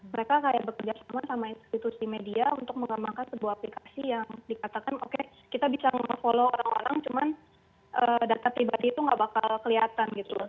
mereka kayak bekerja sama sama institusi media untuk mengembangkan sebuah aplikasi yang dikatakan oke kita bisa memfollow orang orang cuman data pribadi itu gak bakal kelihatan gitu loh